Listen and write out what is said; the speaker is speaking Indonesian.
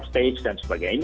stage dan sebagainya